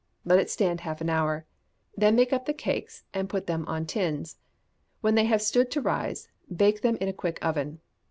let it stand half an hour; then make up the cakes, and put them on tins: when they have stood to rise, bake them in a quick oven.